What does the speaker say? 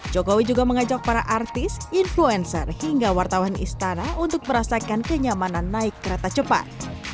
jokowi juga mengajak para artis influencer hingga wartawan istana untuk merasakan kenyamanan naik kereta cepat